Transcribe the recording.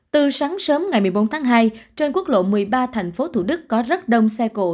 từ sáng sớm ngày một mươi bốn tháng hai trên quốc lộ một mươi ba thành phố thủ đức có rất đông xe cộ